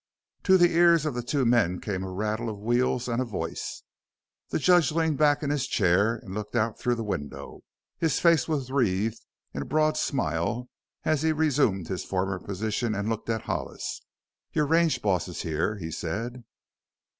To the ears of the two men came a rattle of wheels and a voice. The judge leaned back in his chair and looked out through the window. His face wreathed into a broad smile as he resumed his former position and looked at Hollis. "Your range boss is here," he said.